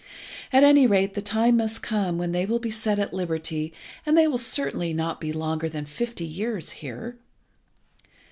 At any rate the time must come when they will be set at liberty, and they will certainly not be longer than fifty years here."